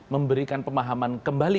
memberikan pemahaman kembali